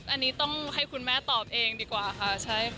อ๋ออันนี้ต้องให้คุณแม่ตอบเองดีกว่าค่ะใช่ค่ะ